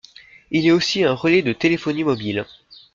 Il est aussi un relais de téléphonie mobile.